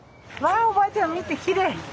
あおばあちゃん見てきれい。